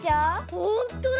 ほんとだ！